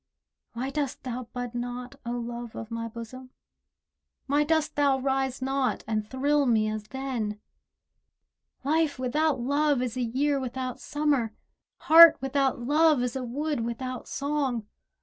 Why dost thou bud not, O Love of my bosom? Why dost thou rise not, and thrill me as then? Life without love is a year without Summer, Heart without love is a wood without song.